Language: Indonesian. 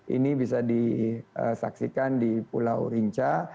ini bisa disaksikan di pulau rinca